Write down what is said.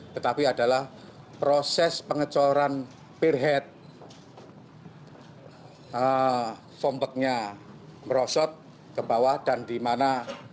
tetapi adalah proses pengecoran pierhead fombaknya merosot ke bawah dan di mana